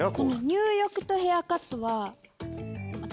「入浴」と「ヘアカット」は。